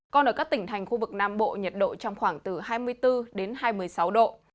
còn ở các tỉnh thành khu vực nam bộ nhiệt độ trong khoảng từ hai mươi bốn đến hai mươi sáu độ